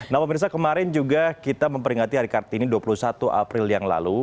nah pemirsa kemarin juga kita memperingati hari kartini dua puluh satu april yang lalu